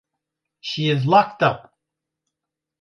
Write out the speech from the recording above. She is locked up.